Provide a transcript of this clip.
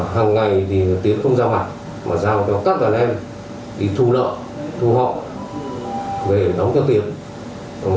hằng ngày thì tiến không ra mặt mà ra mặt cho các đàn em đi thu lợi thu họ về đóng cho tiến